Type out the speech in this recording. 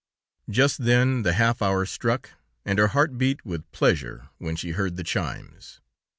Just then, the half hour struck, and her heart beat with pleasure when she heard the chimes.